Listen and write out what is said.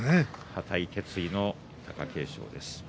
固い決意の貴景勝です。